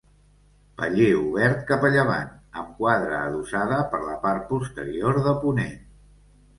Paller obert cap a llevant, amb quadra adossada per la part posterior de ponent.